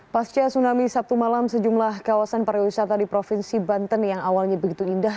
pasca tsunami sabtu malam sejumlah kawasan pariwisata di provinsi banten yang awalnya begitu indah